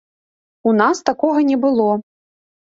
У нас такога не было.